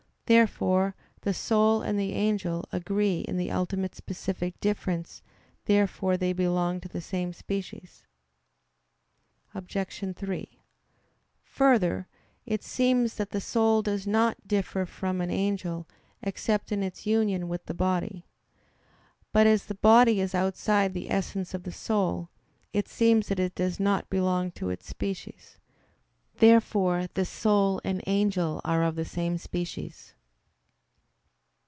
Therefore the soul and the angel agree in the ultimate specific difference: therefore they belong to the same species. Obj. 3: Further, it seems that the soul does not differ from an angel except in its union with the body. But as the body is outside the essence of the soul, it seems that it does not belong to its species. Therefore the soul and angel are of the same species.